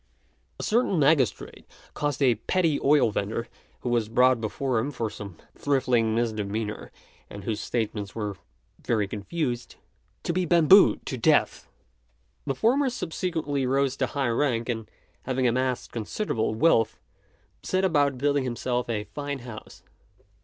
A certain magistrate caused a petty oil vendor, who was brought before him for some trifling misdemeanour, and whose statements were very confused, to be bambooed to death. The former subsequently rose to high rank; and having amassed considerable wealth, set about building himself a fine house.